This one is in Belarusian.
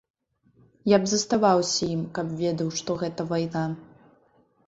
Я б заставаўся ім, каб ведаў, што гэта вайна.